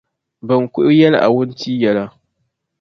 bɛ ni kuhi yɛli a wuntia yɛla.